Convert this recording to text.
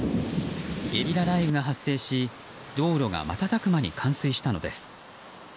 ゲリラ雷雨が発生し道路が瞬く間に冠水したのです。